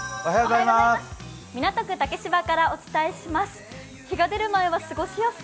港区竹芝からお伝えします。